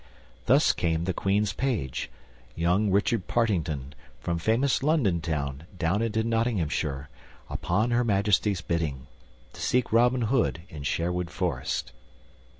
Thus came the Queen's Page, young Richard Partington, from famous London Town down into Nottinghamshire, upon Her Majesty's bidding, to seek Robin Hood in Sherwood Forest.